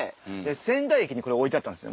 仙台駅にこれ置いてあったんです